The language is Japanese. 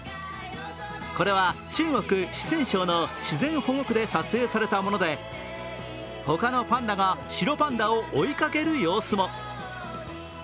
これは中国・四川省の自然保護区で撮影されたもので、他のパンダが白パンダを追いかける様子も。